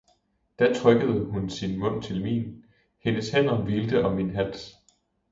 Da trykkede hun sin mund til min, hendes hænder hvilte om min hals.